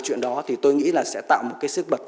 chuyện đó thì tôi nghĩ là sẽ tạo một cái sức bật